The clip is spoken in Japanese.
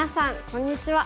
こんにちは。